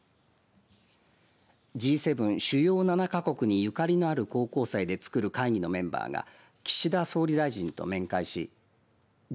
Ｇ７、主要７か国にゆかりのある高校生で作る会議のメンバーが岸田総理大臣と面会しＧ